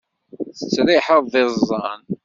Tettriḥeḍ d iẓẓan.